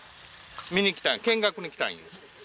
見に来た見学に来たんよ。